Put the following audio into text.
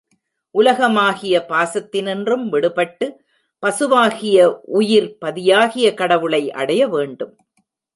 உலகமாகிய பாசத்தினின்றும் விடுபட்டு, பசுவாகிய உயிர், பதியாகிய கடவுளை அடைய வேண்டும்.